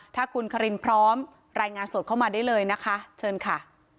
ถ้าคุณคารินพร้อมรายงานสดเข้ามาได้เลยนะคะเชิญค่ะ